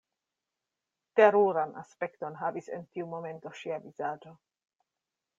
Teruran aspekton havis en tiu momento ŝia vizaĝo.